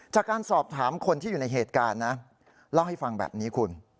จากการสอบถามคนที่อยู่ในเหตุการณ์นะเล่าให้ฟังแบบนี้คุณ